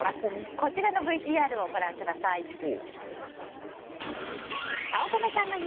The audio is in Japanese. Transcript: こちらのＶＴＲをご覧ください。